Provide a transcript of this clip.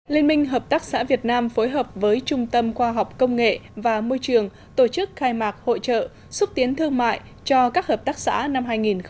liên minh hợp tác xã việt nam phối hợp với trung tâm khoa học công nghệ và môi trường tổ chức khai mạc hội trợ xúc tiến thương mại cho các hợp tác xã năm hai nghìn một mươi chín